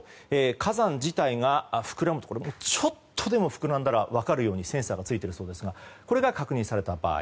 火山自体がちょっとでも膨らんだら分かるようにセンサーがついているようですがこれが確認された場合。